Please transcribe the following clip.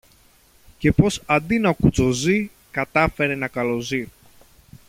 και πως αντί να κουτσοζεί, κατάφερε να καλοζεί.